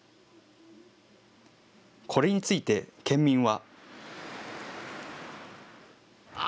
これについて県民は。